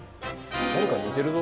誰かに似てるぞ。